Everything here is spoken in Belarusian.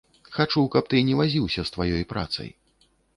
Хачу, каб ты не вазіўся з тваёй працай.